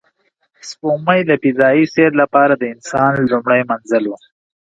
سپوږمۍ د فضایي سیر لپاره د انسان لومړی منزل و